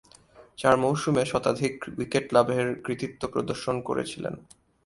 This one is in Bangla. চার মৌসুমে শতাধিক উইকেট লাভের কৃতিত্ব প্রদর্শন করেছিলেন।